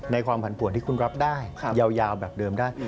ความผันผวนที่คุณรับได้ยาวแบบเดิมได้